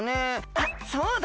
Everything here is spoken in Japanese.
あっそうだ！